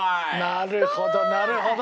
なるほどなるほど。